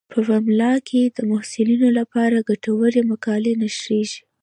په پملا کې د محصلینو لپاره ګټورې مقالې نشریږي.